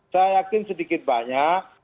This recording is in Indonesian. saya yakin sedikit banyak